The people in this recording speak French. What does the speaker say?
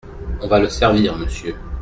On va le servir, monsieur.